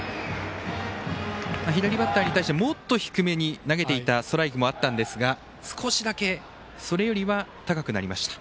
左バッターに対してもっと低めに投げていたストライクもあったんですが少しだけそれよりは高くなりました。